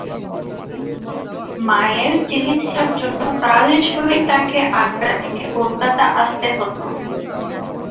মায়ের চিকিৎসার জন্য প্রায়শই তাকে আগ্রা থেকে কলকাতা আসতে হত।